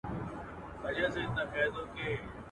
ټول د فرنګ له ربابونو سره لوبي کوي.